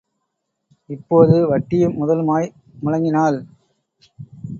இப்போது வட்டியும் முதலுமாய் முழங்கினாள்.